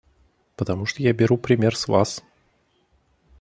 Потому что я беру пример с Вас.